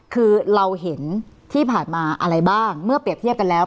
คือเราเห็นที่ผ่านมาอะไรบ้างเมื่อเปรียบเทียบกันแล้ว